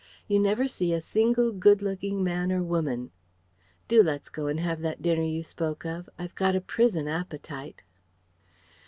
You never see a single good looking man or woman. Do let's go and have that dinner you spoke of. I've got a prison appetite."